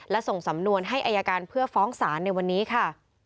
และส่งสำนวนให้อายการเพื่อฟ้องศาลในวันนี้ค่ะ